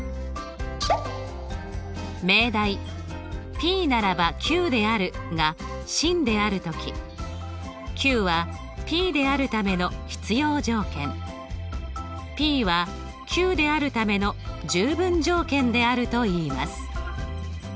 「ｐならばｑである」が真である時ｑはｐであるための必要条件ｐはｑであるための十分条件であるといいます。